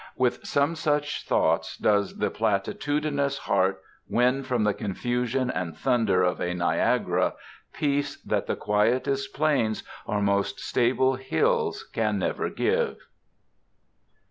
With some such thoughts does the platitudinous heart win from the confusion and thunder of a Niagara peace that the quietest plains or most stable hills can never give.